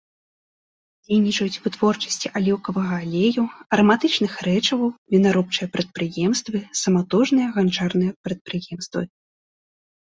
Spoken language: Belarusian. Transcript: Дзейнічаюць вытворчасці аліўкавага алею, араматычных рэчываў, вінаробчыя прадпрыемствы, саматужныя ганчарныя прадпрыемствы.